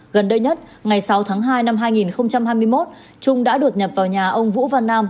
gần đây nhất ngày sáu tháng hai năm hai nghìn hai mươi một trung đã đột nhập vào nhà ông vũ văn nam